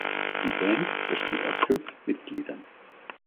Die Band besteht aus fünf Mitgliedern.